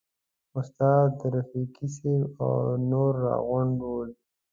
استاد رفیقي صاحب او نور راغونډ ول.